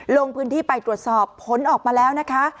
ลงพื้นที่ไปตรวจสอบผลออกมาแล้วนะคะ